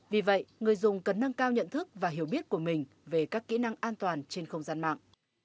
vì vậy người dùng cần nâng cao nhận thức và hiểu biết của mình về các kỹ năng an toàn trên không gian mạng